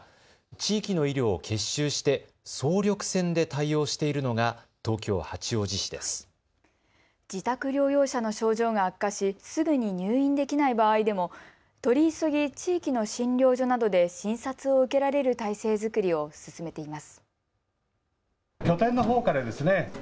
自宅療養者の症状が悪化しすぐに入院できない場合でも取り急ぎ地域の診療所などで診察を受けられる体制作りを進めています。